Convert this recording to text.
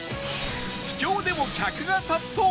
秘境でも客が殺到！